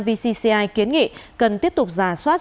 vcci kiến nghị cần tiếp tục giả soát